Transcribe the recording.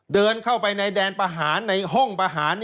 เดินเข้าไปในแดนประหารในห้องประหาร